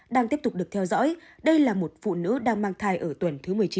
đang tiếp tục được theo dõi đây là một phụ nữ đang mang thai ở tuần thứ một mươi chín